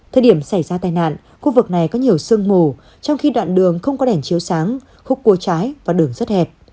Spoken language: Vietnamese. thời điểm xảy ra tai nạn khu vực này có nhiều sương mù trong khi đoạn đường không có đèn chiếu sáng khúc cua trái và đường rất hẹp